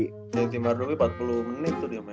yang tim hardway empat puluh menit tuh dia main